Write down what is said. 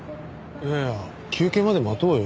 いやいや休憩まで待とうよ。